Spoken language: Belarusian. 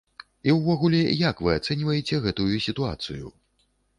І ўвогуле як вы ацэньваеце гэтую сітуацыю?